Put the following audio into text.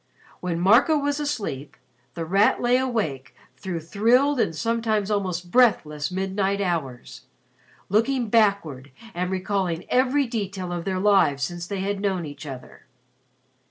When Marco was asleep, The Rat lay awake through thrilled and sometimes almost breathless midnight hours, looking backward and recalling every detail of their lives since they had known each other.